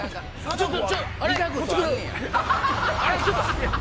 ちょっと。